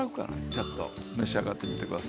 ちょっと召し上がってみて下さい。